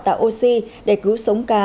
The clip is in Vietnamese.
tạo oxy để cứu sống cá